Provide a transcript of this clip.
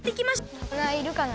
魚いるかな？